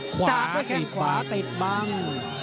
ขวาติดบ้าง